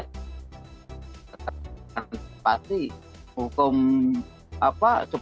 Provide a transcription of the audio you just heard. tetap berhubungan seperti hukum seperti ini